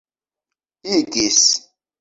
igis